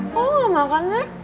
kalo gak makannya